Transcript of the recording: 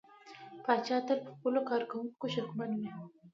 پاچا تل پر خپلو کارکوونکو شکمن وي .